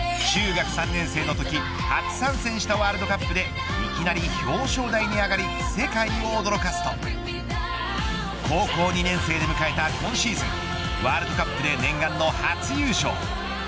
中学３年生のとき初参戦したワールドカップでいきなり表彰台に上がり世界を驚かすと高校２年生で迎えた今シーズンワールドカップで念願の初優勝。